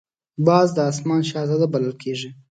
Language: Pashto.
باز د آسمان شهزاده بلل کېږي